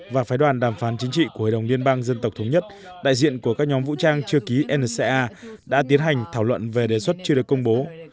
và phái đoàn đàm phán chính trị của hội đồng liên bang dân tộc thống nhất đại diện của các nhóm vũ trang chưa ký nca đã tiến hành thảo luận về đề xuất chưa được công bố